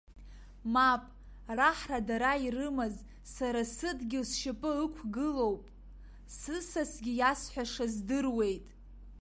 Мап, раҳра дара ирымаз, сара сыдгьыл сшьапы ықәгылоуп, сысасгьы иасҳәаша здыруеит!